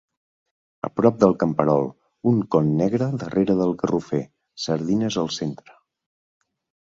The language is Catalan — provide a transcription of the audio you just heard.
A prop del camperol: un con negre darrere del garrofer: sardines al centre.